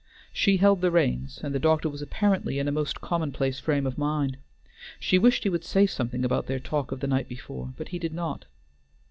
She held the reins, and the doctor was apparently in a most commonplace frame of mind. She wished he would say something about their talk of the night before, but he did not.